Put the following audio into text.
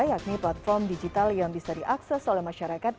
yakni platform digital yang bisa diakses oleh masyarakat